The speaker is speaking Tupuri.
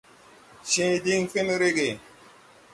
Cẽẽ diŋ fen rege.